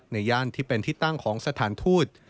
ย่านที่เป็นที่ตั้งของสถานทูต